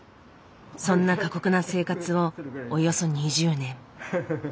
そんな過酷な生活をおよそ２０年。